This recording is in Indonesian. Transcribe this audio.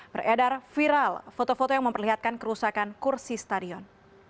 beredar viral foto foto yang memperlihatkan kerusakan kursi stadion